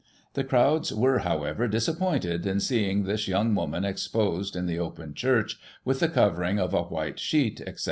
The crowds were, however, disappointed in seeing this yoimg woman exposed in the open church, with the covering of a white sheet, etc.